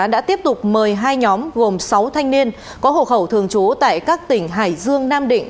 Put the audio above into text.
đã tiếp tục mời hai nhóm gồm sáu thanh niên có hộ khẩu thường trú tại các tỉnh hải dương nam định